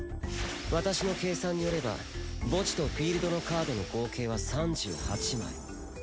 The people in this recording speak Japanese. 私の計算によれば墓地とフィールドのカードの合計は３８枚。